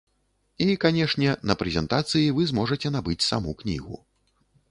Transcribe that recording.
І, канешне, на прэзентацыі вы зможаце набыць саму кнігу.